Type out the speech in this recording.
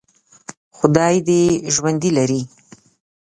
خدای دې یې ژوندي لري.